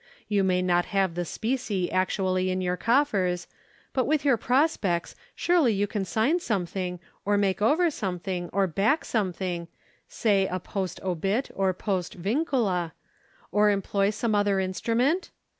You may not have the specie actually in your coffers; but with your prospects, surely you can sign something, or make over something, or back something, say a post obit or post vincula, or employ some other instrument?